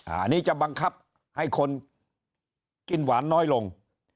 อันนี้จะบังคับให้คนกินหวานน้อยลง